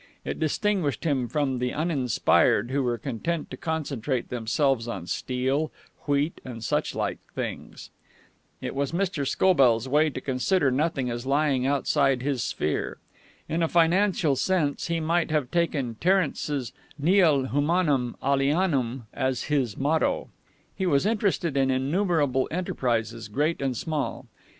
It distinguished him from the uninspired who were content to concentrate themselves on steel, wheat and such like things. It was Mr. Scobell's way to consider nothing as lying outside his sphere. In a financial sense he might have taken Terence's Nihil humanum alienum as his motto. He was interested in innumerable enterprises, great and small.